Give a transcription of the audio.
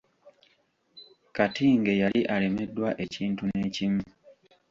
Katinge yali alemeddwa ekintu n’ekimu?